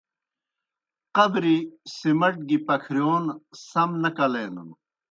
قبری سیمٹ گیْ پکھرِیون سم نہ کلینَن۔